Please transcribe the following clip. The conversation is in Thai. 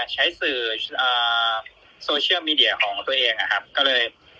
ใช้สื่อโซเชียลมีเดียของตัวเองนะครับก็เลย